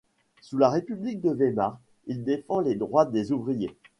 Sous la République de Weimar, il défend les droits des ouvriers.